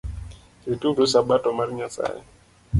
Rituru sabato mar Nyasaye